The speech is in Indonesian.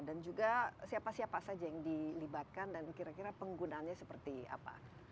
dan juga siapa siapa saja yang dilibatkan dan kira kira penggunanya seperti apa